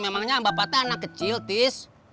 memangnya bapak itu anak kecil tis